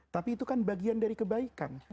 tapi itu kan bagian dari kebaikan